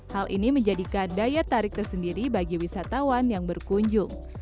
hal ini menjadikan daya tarik tersendiri bagi wisatawan yang berkunjung